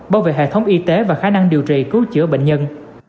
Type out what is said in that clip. bảo vệ hệ thống y tế và khả năng điều trị cứu chữa bệnh nhân